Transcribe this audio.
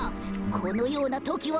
このようなときは。